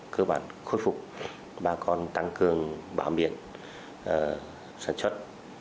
cơ bản khôi phục bà con tăng cường bám biển sản xuất